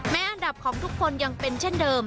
อันดับของทุกคนยังเป็นเช่นเดิม